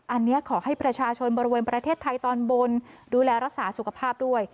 อันนี้ขอให้ประชาชนบริเวณประเทศไทยตอนบนดูแลรักษาสุขภาพด้วย